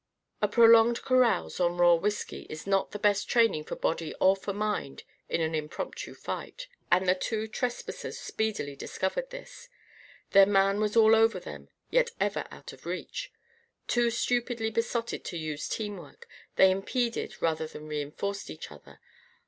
A prolonged carouse on raw whisky is not the best training for body or for mind in an impromptu fight. And the two trespassers speedily discovered this. Their man was all over them, yet ever out of reach. Too stupidly besotted to use teamwork, they impeded rather than reinforced each other.